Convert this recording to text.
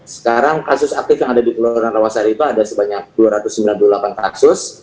sekarang kasus aktif yang ada di kelurahan rawasari itu ada sebanyak dua ratus sembilan puluh delapan kasus